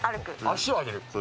足を上げる。